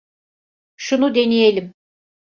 Şunu deneyelim.